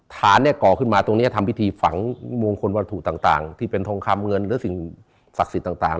ฐานเนี่ยก่อขึ้นมาตรงนี้ทำพิธีฝังมงคลวัตถุต่างที่เป็นทองคำเงินหรือสิ่งศักดิ์สิทธิ์ต่าง